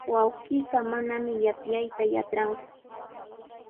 Wawqiiqa manami yapyayta yatranku.